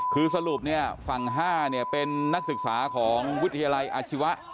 คือสรุปฝั่ง๕เป็นนักศึกษาของวิทยาลัยอาชีวะ